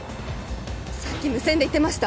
さっき無線で言ってました